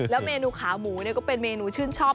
เมนูขาหมูก็เป็นเมนูชื่นชอบ